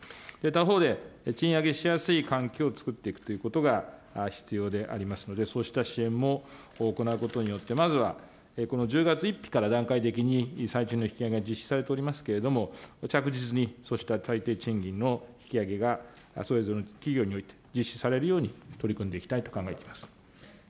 他方で、賃上げしやすい環境をつくっていくということが、必要でありますので、そうした支援も行うことによって、まずはこの１０月１日から段階的に最賃の引き上げが実施されておりますけれども、着実にそうした最低賃金の引き上げがそれぞれの企業において、実施されるように取り組んでいきたいと考えています。